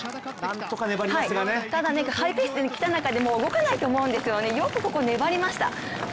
ハイペースできた中で動かないと思うんですがよくここ、粘りました。